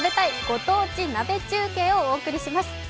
ご当地鍋中継」をお送りします。